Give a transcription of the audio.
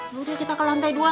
yaudah kita ke lantai dua